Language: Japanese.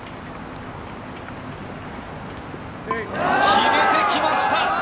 決めてきました！